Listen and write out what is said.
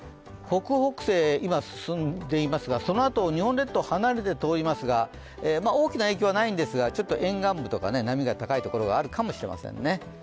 北北西、今進んでいますがそのあと、日本列島を離れて通りますが、大きな影響はないんですが沿岸部とか波が高いところがあるかもしれませんね。